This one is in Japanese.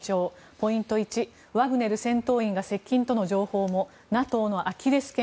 ポイント１ワグネル戦闘員が接近との情報もＮＡＴＯのアキレス腱